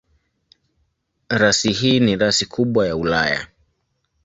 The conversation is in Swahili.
Rasi hii ni rasi kubwa ya Ulaya.